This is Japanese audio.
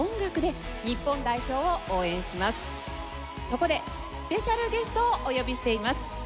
そこでスペシャルゲストをお呼びしています。